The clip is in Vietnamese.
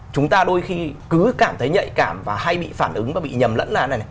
chúng ta đôi khi cứ cảm thấy nhạy cảm và hay bị phản ứng và bị nhầm lẫn là thế này này